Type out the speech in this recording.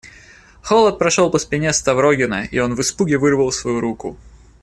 Холод прошел по спине Ставрогина, и он в испуге вырвал свою руку.